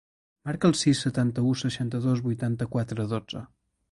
Marca el sis, setanta-u, seixanta-dos, vuitanta-quatre, dotze.